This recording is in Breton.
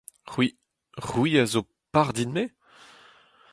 C’hwi ?… C’hwi… a zo par din-me ?